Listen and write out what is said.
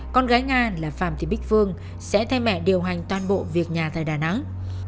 con gái nga là phạm thị bích phương sẽ thay mẹ điều hành toàn bộ việc nhà tại đà nẵng